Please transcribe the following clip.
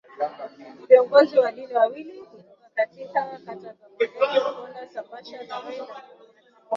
viongozi wa dini wawili kutoka kaika kata za Mwandeti Olkokola Sambasha Laroi na Lemanyata